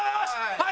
はい！